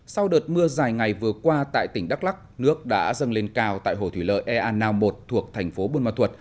sau đợt mưa dài ngày vừa qua tại tỉnh đắk lắc nước đã dâng lên cao tại hồ thủy lợi ea nao i thuộc thành phố bôn ma thuật